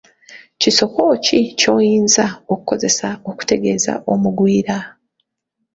Kisoko ki kyoyinza okukoseza ekitegeeza Omugwira?.